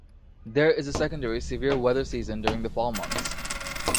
There is a secondary severe weather season during the fall months.